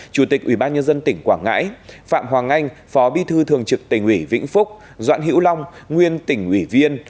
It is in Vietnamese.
chủ tịch ủy ban nhân dân tỉnh quảng ngãi phạm hoàng anh phó bí thư thường trực tỉnh ủy vĩnh phúc doãn hữu long nguyên tỉnh ủy viên